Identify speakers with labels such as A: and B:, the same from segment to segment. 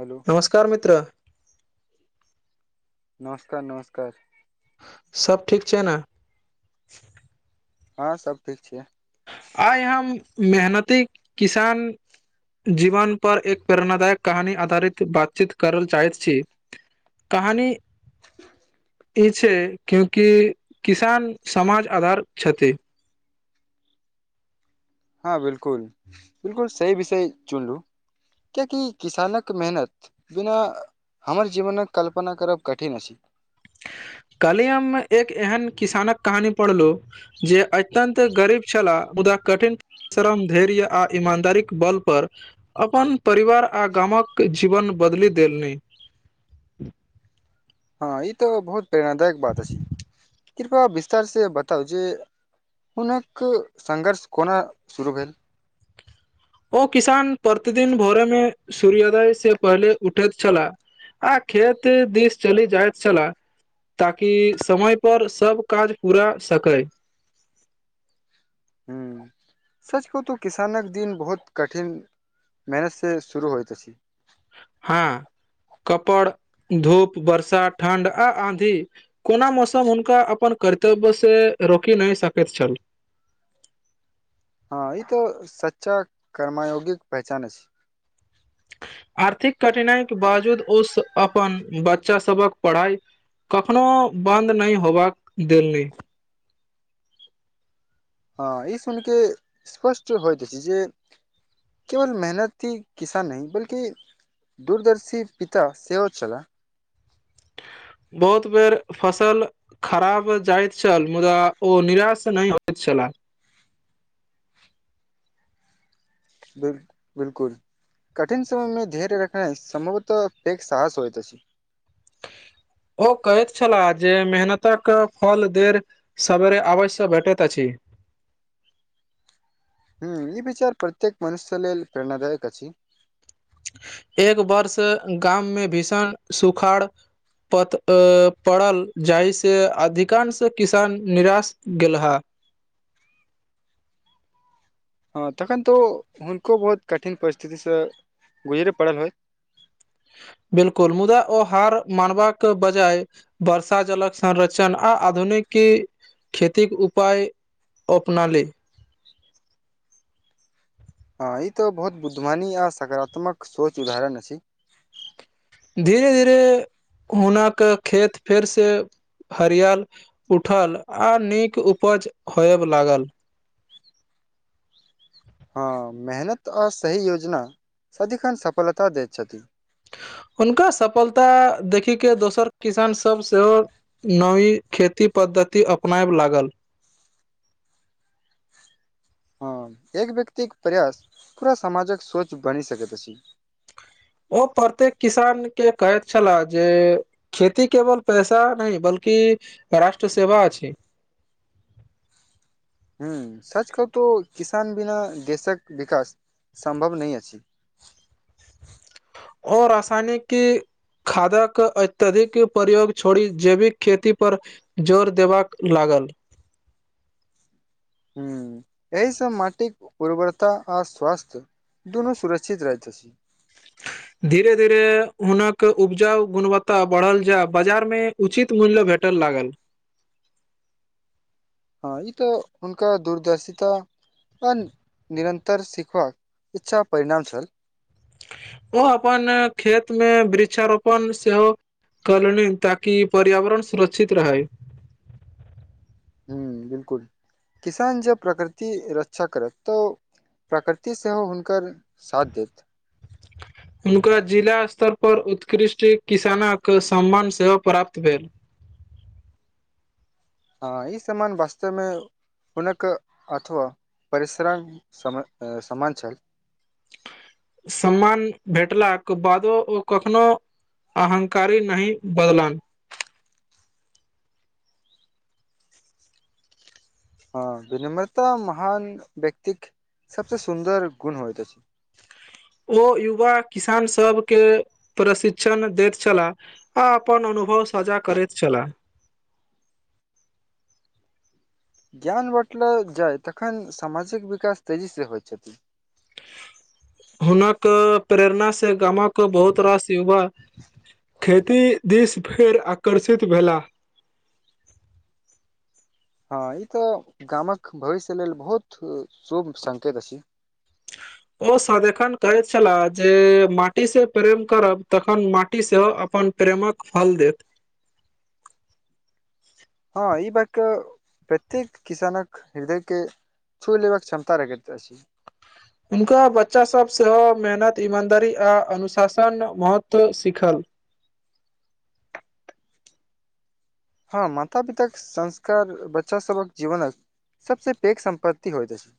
A: Hello.
B: नमस्कार मित्र।
A: नमस्कार नमस्कार
B: सभ ठीक छै ने
A: हँ सभ ठीक छियै
B: आई हम मेहनती किसान जीवन पर एक प्रेरणादाय कऽ कहानी आधारित बातचीत करल चाहैत छी कहानी। ई छै कियुकि किसान समाज आधार छथि्ष
A: हँ बिल्कूल बिल्कूल सही विषय चुनलू कियकि किसानक मेहनत बिना हमर जीवन कऽ कल्पना करब कठिन अछि
B: कल्हि हम एक एहन किसानक कहानी पढ़लहुँ जे अत्यन्त गरीब छलाहदा। कठिन परिश्रम धैर्य आ ईमानदारी कऽ बल पर अपन परिवार आ गामकऽ जीवन बदली देलनि
A: हँ ई तऽ बहुत प्रेरणा दायक बात कृपा विस्तारसँ बताउ जे हुनक सघर्ष कोना शुरू भेल
B: ओ किसान प्रतिदिन भोरे म सूर्योदय से पहिले उठैत छलाह आ खेत दिस चली जाइत छला ताकि समय पर सभ काज पूरा सकै
A: ह सच को तो किसान कऽ दिन बहुत कठिन मेहनत से शुरू होइत अछि
B: हँ कपड़ धूप वर्षा ठण्ड आ आधी कोना मौसम हुनका अपन कर्तव्य से रोकि नहि सकैत छल
A: हँ ई तो सच्चा कर्मा योगिक पहचान अछि
B: आर्थिक कठिनाइ केँ बावजूद ओ अपन बच्चा सबक पढ़ाइ कखनो बद नहि होबाक देलनि
A: हँ ई सुइन केँ स्पष्ट होइत अछि जे केवल मेहनत ही किसान नहि बल्कि दूरदर्शी पिता सेहो छला
B: बहुत बेर फसल खराब जाइत छल मुदा ओ निराश नहि होइत छला
A: बिल - बिलकुल कठिन समयमे धैर्य रखनाइ सम्भवतः पेघ साहस होइत अछि
B: ओ कहैत छलाह जे मेहनतक फल देर सवेरे आवसँ भेटैत अछि
A: हुँ ई विचार प्रत्येक मनुष्य लेल प्रेरणादायक अछि
B: एक वर्ष गाममे भीषण सुखाड़ पत - ए पड़ल जाहिसँ अधिकांश किसान निराश गेलहा
A: हँ तखन तऽ ओ हुनको बहुत कठिन परिस्थितिसँ गुजरै पड़ल होइ
B: बिलकुल मुदा ओ हार मानबाक बजाय वर्षा जलक संरक्षण आ आधुनिक खेतिक उपाय ओ अपनाली
A: हँ ई तो बहुत बुद्धमानी आ सकारात्मक सोच उदाहरण अछि
B: धीरे धीरे हुनक खेत फेर सेँ हरियाल उठल आ नीक उपज होएब लागल
A: हँ मेहनत अ सही योजना सदिखन सफलता दै छथि
B: हुनका सफलता देखिकेँ दोसर किसान सभ सेहो नवी खेती पद्धति अपनायब लागल
A: हँ एक व्यक्तिक प्रयास पूरा समाजक सोच बनि सकैत अछि
B: ओ प्रत्येक किसान केँ कहैत छलाह जे खेती केवल पैसा नहि बल्कि राष्ट्र सेवा अछि
A: हुँ सच कहू तो किसान बिना देशक विकास सम्भव नहि अछि [inaudible]
B: आओर आसानी की खाद्यक अत्यधिक प्रयोग छोड़ी जैविक खेती पर जोर देबाक लागल
A: हुँ एहि सँ माटिक उर्वरता आ स्वास्थ् दुनू सुरक्षित रहैत अछि
B: धीरे धीरे हुनक उपजाउ गुणवत्ता बढ़ल जाय बाजार मे उचित मूल्य भेटल लागल
A: हँ ई तऽ हुनका दूरदर्शिता [unintelligible] निरन्तर सिखबाक इच्छा परिणाम छल
B: ओ अपन खेत मे वृक्षारोपण सेहो कऽ लेलनि ताकि पर्यावरण सुरक्षित रहै
A: हुँ बिलकुल किसान जब प्रकृति रक्षा करत तो प्रकृति सेहो हुनकर साथ देत [inaudible]
B: हुनका जिला स्तर परर उत्कृष्ट किसानक सम्मान सेहो प्राप्त भेल।
A: हँ ई समान वास्तेमे। हुनक अथवा परिश्रम सम सामाञ्चल।
B: सम्मान भेटलाके बादो ओ कखनो। अहंकारी नहि बदलन।
A: हँ विनम्रता महान व्यक्तिक सबसे सुन्दर गुण होइत अछि अछि।
B: ओ युवा किसान सबके प्रशिक्षण दैत छलाह। आ अपन अनुभव साझा करैत छलाह।
A: ज्ञान बँटल जाइ तखन सामाजिक विकास तेजीसँ होइ छथिन।
B: हुनक प्रेरणास से गामक। के बहुत रास युवा खेती दिस फेर आकर्षित भेला।
A: हँ ई तऽ गामक भविष्य लेल बहुत शुभ संकेत अछि।
B: ओ सदखन कहैत छलाह जे माटी से प्रेम करब तखन माटी सेहो अपन। प्रेमक फल देत।
A: हँ ई बातके प्रत्येक किसानक हृदयके। छू लेवबाक क्षमता रगत छी।
B: हुनका बच्चासभ सेहो मेहनत ईमानदारी आ अनुशासन महत्व सीखल।
A: हँ माता पिताक संस्कार बच्चास सभक जीवनक सबसँ पैघ सम्पत्ति होइत अछि।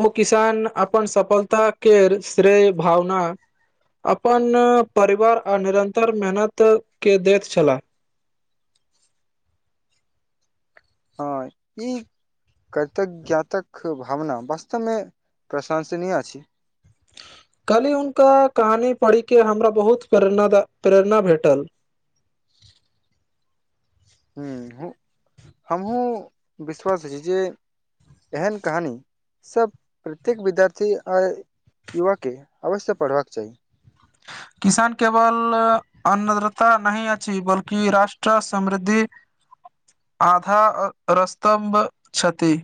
B: ओ किसान अपन सफलता के श्रेय भावना। अपन परिवार आ निरन्तर मेहनत के दैत छलाह।
A: हँ ई। कृतज्ञातक भावना वास्तवमे प्रशंसनीय अछि।
B: कहली हुनका कहानी पढ़ी के हमरा बहुत प्रेण प्रेरणा भेटल।
A: ह हमहूँ विश्वास छी जे एहन कहानी। सभ प्रत्येक विद्यार्थी आ युवाके अवश्य पढ़बाक चाही।
B: किसान केवल अन्नद्रता नहि अछि बल्कि राष्ट्र समृद्धि।
A: [inaudible]
B: आधार रस्त्भ छथिति।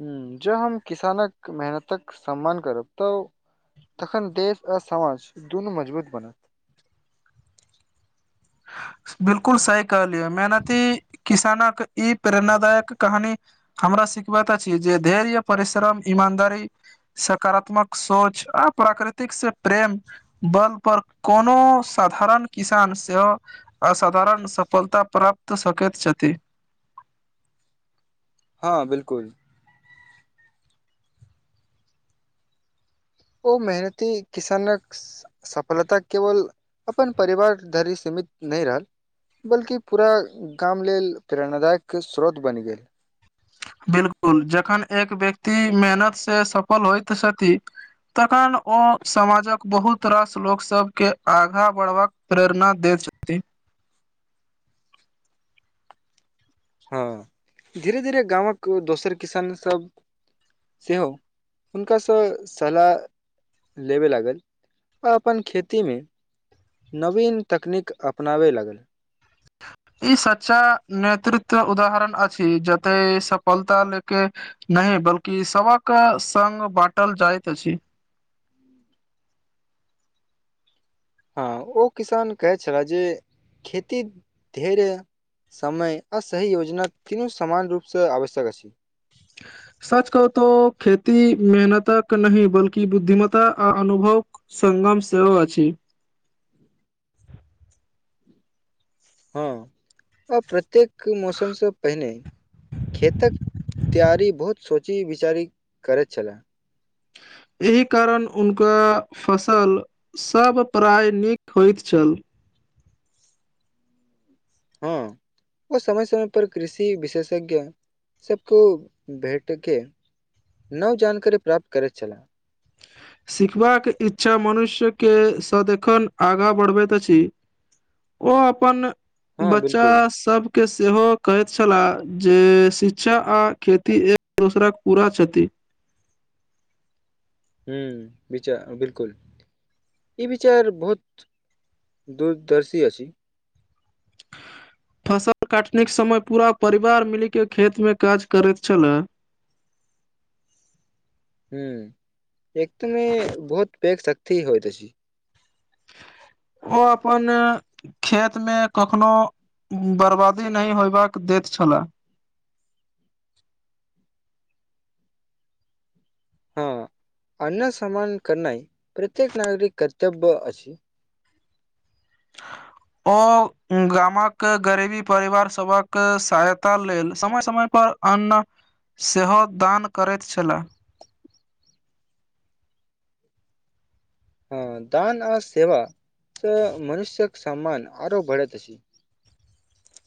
A: ह जब हम किसानक मेहनतक सम्मान करब तऽ। तखन देश आ समाज दुनू मजबूत बनत।
B: बिलकुल सही कह लियअ मेहनती किसानक ई प्रेरणादायक कहानी। हमरा सिखब त अछि जे धैर्य परिश्रम ईमानदारी। सकारात्मक सोच आ प्राकृतिक से प्रेम। बल पर कोनो साधारण किसानसँ। असाधारण सफलता प्राप्त सकैत छथि।
A: हँ बिलकुल। ओ मेहनती किसानक। सफलता केवल अपन परिवार धरि सीमित नहि रहल। बल्कि पूरा गाम लेल प्रेरणादायकके स्रोत बनि गेल।
B: बिलकुल जखन एक व्यक्ति मेहनत से सफल होइत छथि। तखन ओ समाजक बहुत रास लोकग सब के आगा बढ़वा प्रेरणा दे छै।
A: हँ धीरे धीरे गामक दोसर किसान सब। सेहो हुनकासँ सलाह। लेबे लागल आओ अपन खेतीमे। नवीन तकनीक अपनाबै लागल। [inaudible]
B: ई सच्चा नेतृत्व उदाहरण अछि जते सफलता ले। के नहि बल्कि सबक सङग बाँटल जाइत अछि।
A: हँ ओ किसान कहै छलए जे खेती ढ़ेर। समय आ सही योजना तीनू समामान रूपसँ आवश्यक अछि। [inaudible]
B: सच कह तो खेती मेहनतक नहि बल्ि बुद्धिमता आ अनुभव। सङगम सेहो अछि।
A: हँ आ प्रत्येक मौसमसँ पहिने खेतक। तैयारी बहुत सोची विचारी करैत छलै।
B: एहि कारण उनका फसल। सब प्राय नीक होइत छल।
A: हँ ओ समय समय पर कृषि विशेषज्ञ। सबको भेटके नव जानकारी प्राप्त करैत चला।
B: सिखबाक इच्छा मनुष्यके सदखन आगाँ बढ़बैत अछि। ओ अपन
A: हँ
B: बच्चा
A: बिल्कुल
B: सब। के सेहो कहैत छलाह जे शिक्षा आ खेती एक दोसर के पूरा क्षति।
A: हू विचार बिलकुल ई विचार बहुत। दूरदर्शी अ छी।
B: फसल काटने के समय पूरा परिवार मिली के खेत में काज करैत छले।
A: ह एकदमे बहुत बेघ शक्त होइ त छी।
B: ओ अपन। खेत मे कखनो बर्बादी नहि होयबाक दैत छले।
A: हँ अन्न स्मान करनाइ प्रत्येक नागरिक कर्तव्य अछि। [inaudible]
B: ओ गामक गरीबी परिवार सभक सहायता लेल समय समय पर। अन्न सेहो दान करैत छललाह।
A: हँ दान आओ सेवा त मनुष्य्यक सम्मान आरो बढ़ैत अ।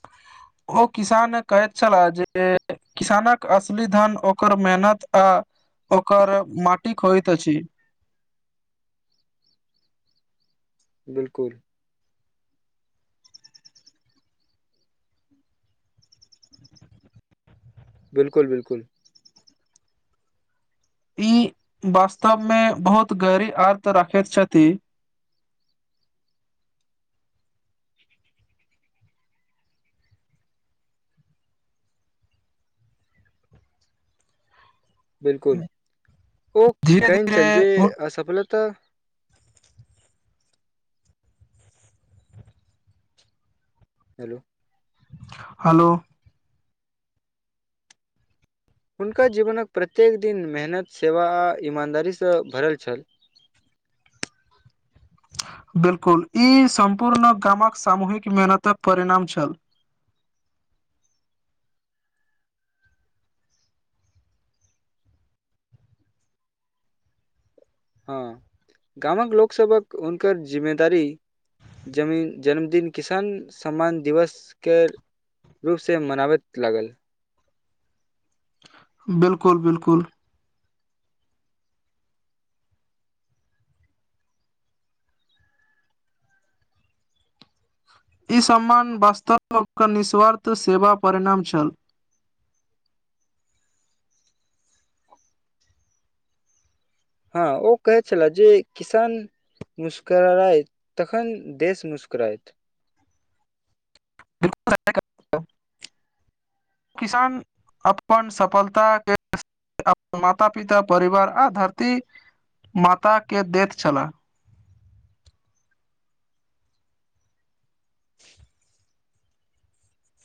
B: आ। ओ किसान कहैत छललाह जे। किसानक असली धन ओकर मेहनत आ ओकर माटिक होइत अछि।
A: बिल्कुल। ब्कुल ब्कुल।
B: ई वास्तव मे बहुत गहरी अर्थ राखैत छथि।
A: बिलकुल ओ
B: धीरे
A: कहिन
B: धीरे
A: चलिये असफलता। हेलो।
B: हेलो।
A: हुनका जीवनक प्रत्येक दिन मेहनत सेवा आ ईमानदारीसँ भरल छल।
B: बिल्कुल ई सम्पूर्ण गामक सामूहिक मेहनतक परिणाम छल।
A: हँ गामक लोकसभक हुनकर जिम्मेदारी। जमीन जन्मदिन किसान सम्मान दिवस के। रूपसँ मनाबैत लागल।
B: बिलकुल बिलकुल। ई सम्मान वास्तव निःस्वार्थ सेवा परिणाम छल।
A: हँ ओ कहै छले जे किसान। मुस्कराइत तखन देश मुस्कराइत।
B: बिल्कुल। किसान अपन सफलता के। अपन माता पिता परिवार आ धरती माता के दैत छलाह। [inaudible]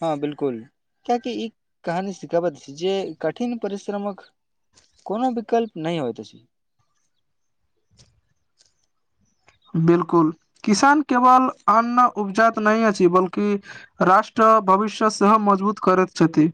A: हँ बिलकुल कियाकि ई कहानी सिखाबैत छै। जे कठिन परिश्रमक। कोनो विकल्प नहि होय त से।
B: बिलकुल किसान केवल अन्न उपजात नहि अछि। बल्कि। राष्ट्र भविष्य सेहो मजबूत करैत छथिन।